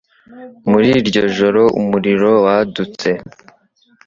Muri iryo joro umuriro wadutse.